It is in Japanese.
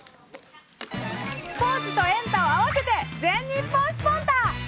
スポーツとエンタをあわせて、全日本スポンタッ！